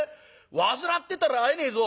煩ってたら会えねえぞ。